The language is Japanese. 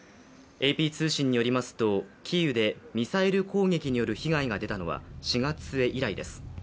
ＡＰ通信によりますと、キーウでミサイル攻撃による被害が出たのは４月末以来です。